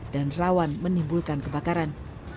dan rawan menimbulkan kebakaran